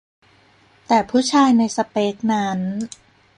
แต่ผู้ชายในสเปกนั้น